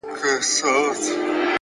خاموش عمل تر شعار قوي دی!